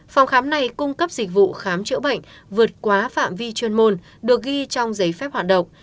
phòng khám này cung cấp dịch vụ khám chữa bệnh vượt quá phạm vi chuyên môn được ghi trong giấy phép hoạt động